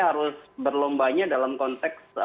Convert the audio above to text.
harus berlombanya dalam konteks